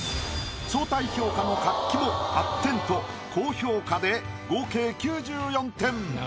相対評価の活気も８点と高評価で合計９４点。